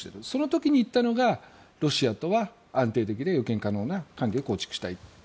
その時に言ったのがロシアとは安定的で予見可能な関係を構築したいと。